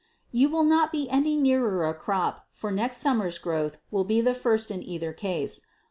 You will not be any nearer a crop, for next summer's growth will be the first in either case.